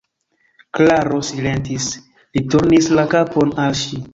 Klaro silentis; li turnis la kapon al ŝi.